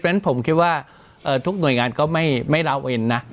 เพราะฉะนั้นผมคิดว่าทุกหน่วยงานก็ไม่ลาเวนนะ